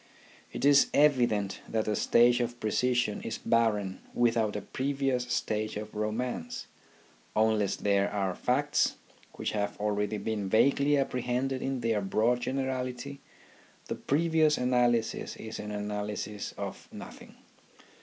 It is evident that a stage of precision is barren without a previous stage of romance : unless there are facts which have already been vaguely apprehended in their broad generality, the previous analysis is an analysis of nothing.